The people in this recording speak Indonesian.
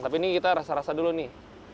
tapi ini kita rasa rasa dulu nih